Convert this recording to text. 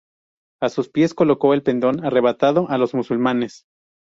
A sus pies colocó el pendón arrebatado a los musulmanes.